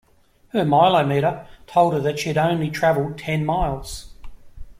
Her mileometer told her that she had only travelled ten miles